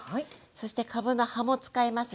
そしてかぶの葉も使えますね。